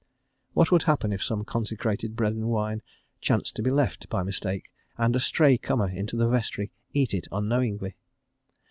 What would happen if some consecrated bread and wine chanced to be left by mistake, and a stray comer into the vestry eat it unknowingly?